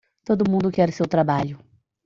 Todo mundo quer o seu trabalho.